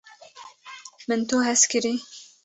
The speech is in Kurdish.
min tu hez kirî